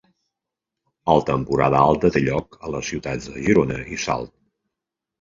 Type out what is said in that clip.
El Temporada Alta té lloc a les ciutats de Girona i Salt.